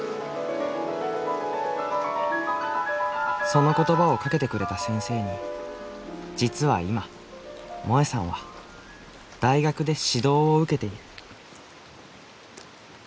その言葉をかけてくれた先生に実は今もえさんは大学で指導を受けている。